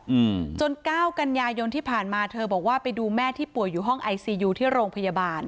อืมจนเก้ากันยายนที่ผ่านมาเธอบอกว่าไปดูแม่ที่ป่วยอยู่ห้องไอซียูที่โรงพยาบาล